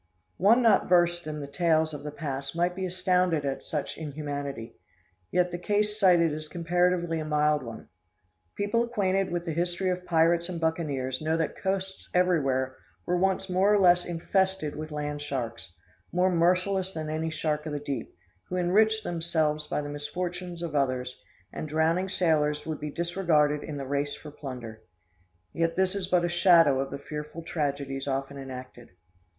One not versed in the tales of the past might be astounded at such inhumanity; yet the case cited is comparatively a mild one. People acquainted with the history of pirates and buccaneers know that coasts everywhere were once more or less infested with land sharks, more merciless than any shark of the deep, who enriched themselves by the misfortunes of others: and drowning sailors would be disregarded in the race for plunder. Yet this is but a shadow of the fearful tragedies often enacted.